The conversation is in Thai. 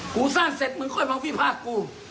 กูสร้างเสร็จมึงค่อยมาวิพากษ์กู